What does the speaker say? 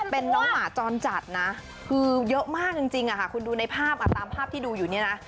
เป็นน้องหมาจรจัดนะคือเยอะมากจริงคุณดูในภาพตามภาพที่ดูอยู่เนี่ยนะ